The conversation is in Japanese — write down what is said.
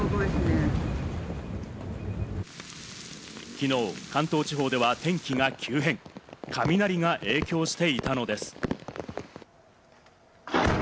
昨日、関東地方では天気が急変、雷が影響していたのです。